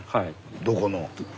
どこの？